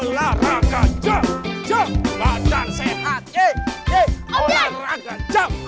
olahraga jam jam sehat olahraga jam jam